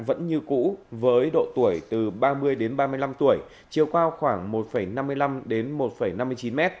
vẫn như cũ với độ tuổi từ ba mươi đến ba mươi năm tuổi chiều qua khoảng một năm mươi năm đến một năm tuổi